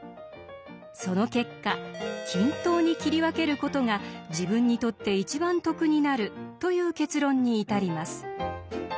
その結果「均等に切り分ける事が自分にとって一番得になる」という結論に至ります。